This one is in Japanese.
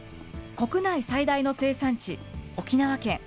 国内最大の生産地、沖縄県。